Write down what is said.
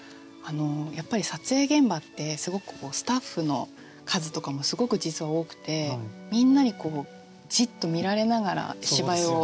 やっぱり撮影現場ってすごくスタッフの数とかもすごく実は多くてみんなにこうじっと見られながら芝居をしないと。